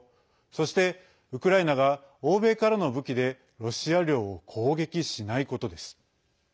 そして、ウクライナが欧米からの武器でロシア領を攻撃しないことです。